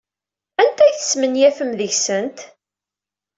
Anta ay tesmenyafem deg-sent?